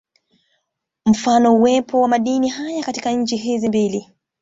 Mfano uwepo wa madini haya katika nchi hizi mbili